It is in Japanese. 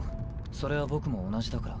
それは僕も同じだから。